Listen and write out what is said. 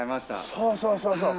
そうそうそうそう。